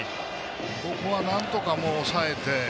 そこはなんとか抑えて。